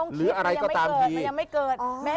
หรืออะไรก็ตามทีไม่ต้องคิดมันยังไม่เกิดมันยังไม่เกิด